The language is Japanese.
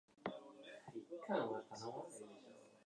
明日の天気は晴れです。